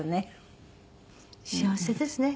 幸せですね